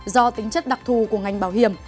do tính chất đặc thù của ngành bảo hiểm